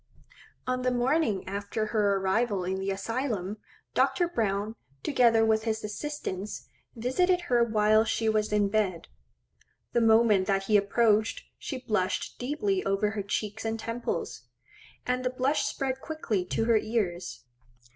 On the morning after her arrival in the Asylum, Dr. Browne, together with his assistants, visited her whilst she was in bed. The moment that he approached, she blushed deeply over her cheeks and temples; and the blush spread quickly to her ears.